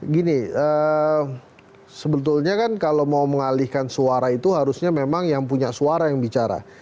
gini sebetulnya kan kalau mau mengalihkan suara itu harusnya memang yang punya suara yang bicara